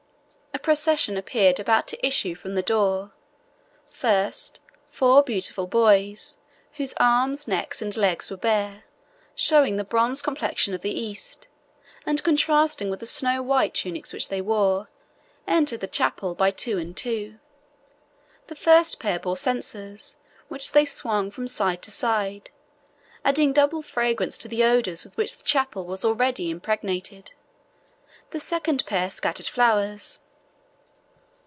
A procession appeared about to issue from the door. First, four beautiful boys, whose arms, necks, and legs were bare, showing the bronze complexion of the East, and contrasting with the snow white tunics which they wore, entered the chapel by two and two. The first pair bore censers, which they swung from side to side, adding double fragrance to the odours with which the chapel already was impregnated. The second pair scattered flowers.